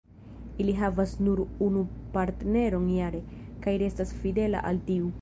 Ili havas nur unu partneron jare, kaj restas fidela al tiu.